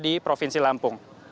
di provinsi lampung